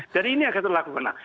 jadi ini yang kita lakukan